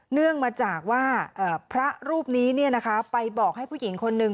เนื่องมาจากว่าพระรูปนี้ไปบอกให้ผู้หญิงคนนึง